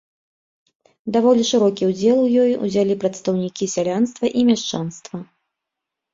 Даволі шырокі ўдзел у ёй узялі прадстаўнікі сялянства і мяшчанства.